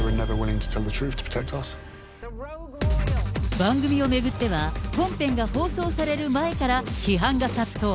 番組を巡っては、本編が放送される前から批判が殺到。